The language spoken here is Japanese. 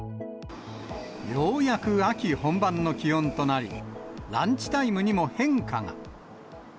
ようやく秋本番の気温となり、ランチタイムにも変化が。